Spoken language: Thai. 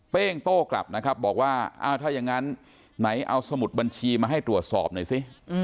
เป้งโต้กลับนะครับบอกว่าอ้าวถ้าอย่างนั้นไหนเอาสมุดบัญชีมาให้ตรวจสอบหน่อยสิ